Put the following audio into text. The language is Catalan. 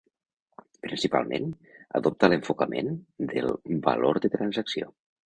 Principalment, adopta l'enfocament del "valor de transacció".